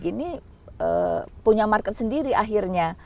ini punya market sendiri akhirnya